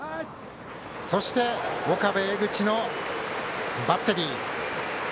そして岡部、江口のバッテリー。